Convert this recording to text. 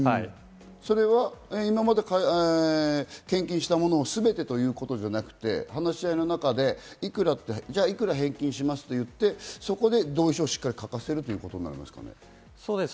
それは今まで献金したものすべてということではなくて、話し合いの中で、じゃあ、いくら返金しますと言って、そこで同意書をしっかり書かそうですね。